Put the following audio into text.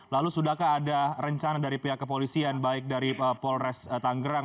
lalu sudahkah ada rencana dari pihak kepolisian baik dari polres tanggerang